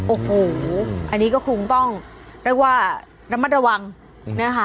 โอ้โหอันนี้ก็คงต้องเรียกว่าระมัดระวังนะคะ